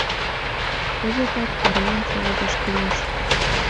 — Кызытак оролым шогалташ кӱлеш.